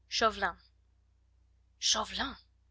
CHAUVELIN Chauvelin!